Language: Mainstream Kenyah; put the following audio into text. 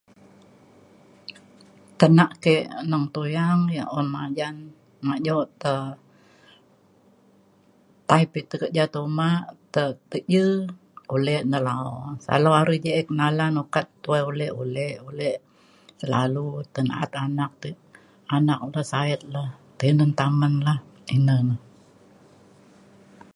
tenak ke neng tuyang yak un majan majau te paip e te keja ta uma te ke je ulek ne la’o salau ire ji’ek ngalan ukat tuwai ulek ulek ulek selalu te na’at anak te anak re sait le tinen tamen lah ine ne